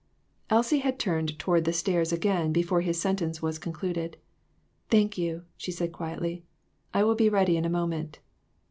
Elsie had turned toward the stairs again before his sentence was concluded. "Thank you," she said, quietly; "I will be ready in a moment.